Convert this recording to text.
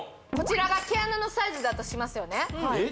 こちらが毛穴のサイズだとしますよね